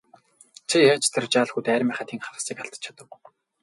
Чи яаж тэр жаал хүүд армийнхаа тэн хагасыг алдаж чадав?